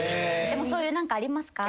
でもそういう何かありますか？